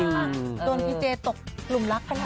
โดนพี่เจตกกลุ่มรักไปละ